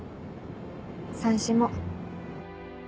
さんしも。